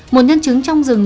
một nhân chứng trong rừng